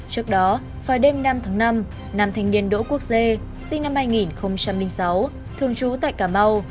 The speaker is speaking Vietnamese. trước đó vào đêm năm tháng năm nam thanh niên đỗ quốc dê sinh năm hai nghìn sáu thường trú tại cà mau